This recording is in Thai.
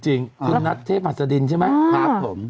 จริงคุณนัทเทพหัสดินใช่ไหมครับผม